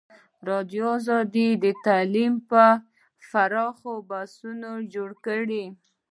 ازادي راډیو د تعلیم په اړه پراخ بحثونه جوړ کړي.